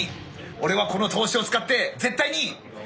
オレはこの投資を使って絶対に。